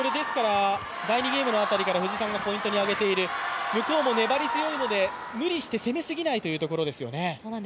第２ゲームのあたりから藤井さんがポイントに挙げている向こうも粘り強いので無理して攻めすぎないというところですね。